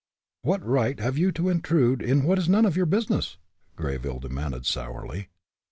"What right have you to intrude in what is none of your business?" Greyville demanded, sourly.